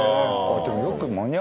でも。